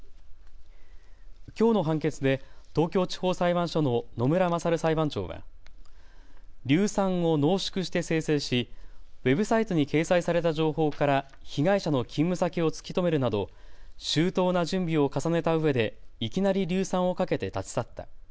きょうの判決で東京地方裁判所の野村賢裁判長は硫酸を濃縮して精製しウェブサイトに掲載された情報から被害者の勤務先を突き止めるなど周到な準備を重ねたうえでいきなり硫酸をかけて立ち去った。